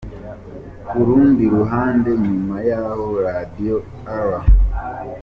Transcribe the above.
Ku rundi ruhande nyuma y’aho Radiyo R.